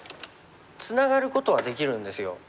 ツナがることはできるんですよ。